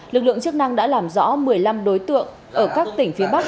lực lượng chức năng đã làm rõ một mươi năm đối tượng ở các tỉnh phía bắc